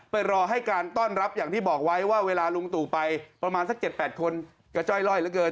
รอให้การต้อนรับอย่างที่บอกไว้ว่าเวลาลุงตู่ไปประมาณสัก๗๘คนกระจ้อยล่อยเหลือเกิน